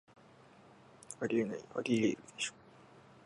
あり得ない、アリエールでしょ